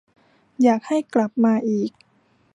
อยากให้กลับมาอีก